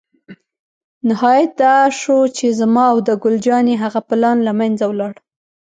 نهایت دا شو چې زما او د ګل جانې هغه پلان له منځه ولاړ.